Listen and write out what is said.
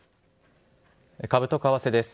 株と為替です。